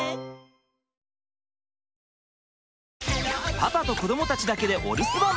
パパと子どもたちだけでお留守番。